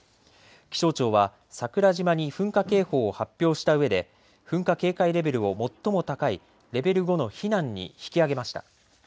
気象庁は桜島に噴火警報を発表したうえで噴火警戒レベルを最も高いレベル５の避難に引き上げました。